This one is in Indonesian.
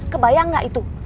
kebayang gak itu